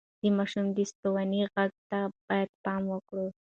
د ماشوم د ستوني غږ ته پام وکړئ.